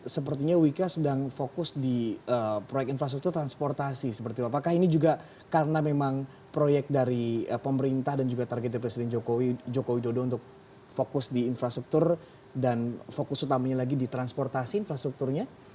sepertinya wika sedang fokus di proyek infrastruktur transportasi seperti itu apakah ini juga karena memang proyek dari pemerintah dan juga targetnya presiden jokowi dodo untuk fokus di infrastruktur dan fokus utamanya lagi di transportasi infrastrukturnya